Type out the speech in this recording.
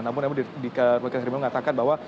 namun di rumah sakit hermina mengatakan bahwa